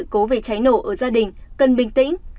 cố về cháy nổ ở gia đình cần bình tĩnh